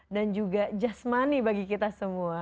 dan juga jasmani bagi kita semua